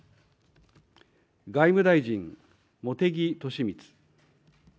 外務大臣、茂木敏充。